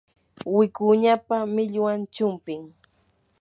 wikuñapa millwan chumpim.